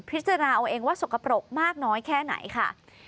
พิจารณาเอาเองว่าสกปรกมากน้อยแค่ไหนค่ะ